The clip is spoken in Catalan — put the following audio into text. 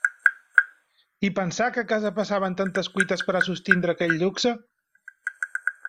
I pensar que a casa passaven tantes cuites per a sostindre aquell luxe!